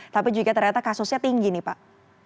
tapi juga ternyata kasusnya tinggi nih pak